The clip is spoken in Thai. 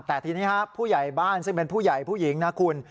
แต่ทีนี้ครับผู้ใหญ่บ้านซึ่งเป็นผู้ใหญ่ผู้หญิงนะคุณ